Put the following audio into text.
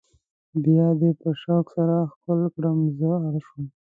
بیا دې په شوق سره ښکل کړم زه اړ شوم.